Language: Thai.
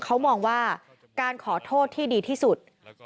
เขามองว่าการขอโทษที่ดีที่สุด